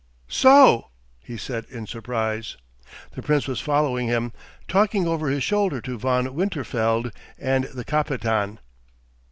"So!" said he in surprise. The Prince was following him, talking over his shoulder to Von Winterfeld and the Kapitan.